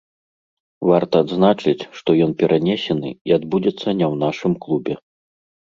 Варта адзначыць, што ён перанесены і адбудзецца не ў нашым клубе.